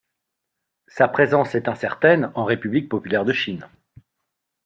Sa présence est incertaine en République populaire de Chine.